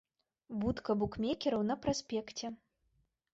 Будка букмекераў на праспекце.